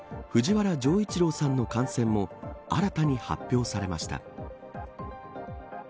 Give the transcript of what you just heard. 藤原丈一郎さんの感染も新たに発表されました。